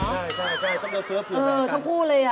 ต้องเอาเชื้อผิวกันกันกันเออเขาพูดเลยนี่